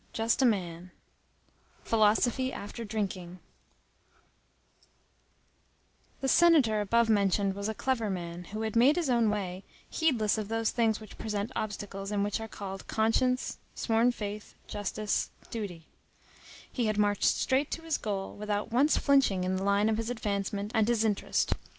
_ CHAPTER VIII—PHILOSOPHY AFTER DRINKING The senator above mentioned was a clever man, who had made his own way, heedless of those things which present obstacles, and which are called conscience, sworn faith, justice, duty: he had marched straight to his goal, without once flinching in the line of his advancement and his interest.